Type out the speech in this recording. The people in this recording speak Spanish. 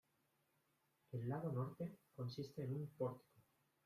El lado norte consiste en un pórtico.